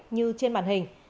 như trên màn hình